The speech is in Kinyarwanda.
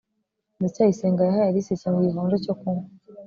ndacyayisenga yahaye alice ikintu gikonje cyo kunywa